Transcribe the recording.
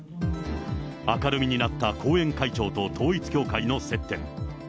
明るみになった後援会長と統一教会の接点。